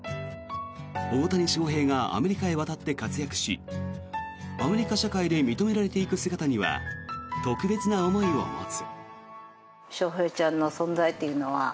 大谷翔平がアメリカへ渡って活躍しアメリカ社会で認められていく姿には特別な思いを持つ。